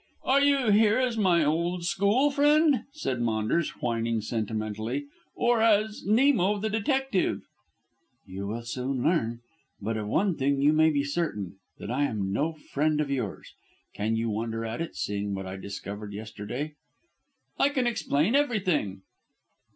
"Are you here as my old school friend?" said Maunders, whining sentimentally, "or as Nemo, the detective?" "You will soon learn. But of one thing you may be certain, that I am no friend of yours. Can you wonder at it, seeing what I discovered yesterday?" "I can explain everything."